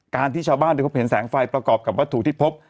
ที่ชาวบ้านได้พบเห็นแสงไฟประกอบกับวัตถุที่พบ